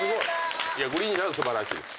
グリーン車は素晴らしいです。